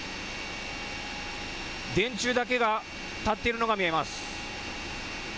電柱だけが立っているのが見えます。